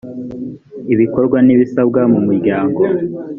ibikorwa n ibisabwa mu muryango